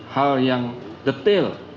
hal yang detail